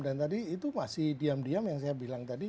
dan tadi itu masih diam diam yang saya bilang tadi